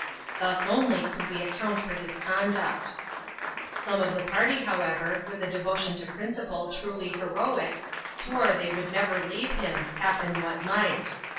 Thus only could we account for his conduct. Some of the pany, however, with a devotion to principle truly heroic, swore they would never leave him, happen what might.